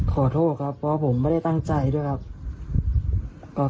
ขอโทษครับเพราะผมไม่ได้ตั้งใจด้วยครับ